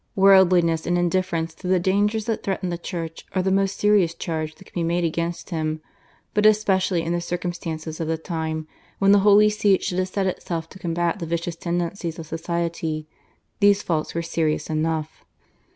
Worldliness and indifference to the dangers that threatened the Church are the most serious charges that can be made against him, but especially in the circumstances of the time, when the Holy See should have set itself to combat the vicious tendencies of society, these faults were serious enough.